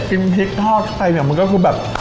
กินพริกทอดใสเนี่ยมันก็คือแบบ